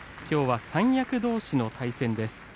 きょうは三役どうしの対戦です。